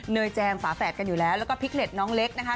ยแจมฝาแฝดกันอยู่แล้วแล้วก็พลิกเล็ตน้องเล็กนะคะ